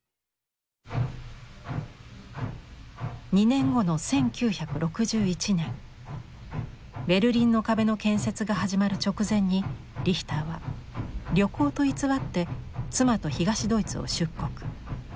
２年後の１９６１年ベルリンの壁の建設が始まる直前にリヒターは旅行と偽って妻と東ドイツを出国。